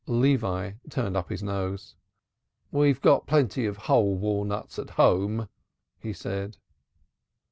'" Levi turned up his nose. "We've got plenty of whole walnuts at home," he said.